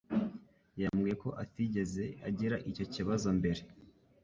yambwiye ko atigeze agira icyo kibazo mbere.